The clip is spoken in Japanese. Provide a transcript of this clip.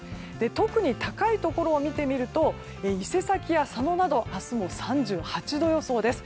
特に高いところを見てみると伊勢崎や佐野など明日も３８度予想です。